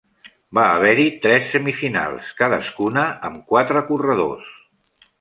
Va haver-hi tres semifinals, cadascuna amb quatre corredors.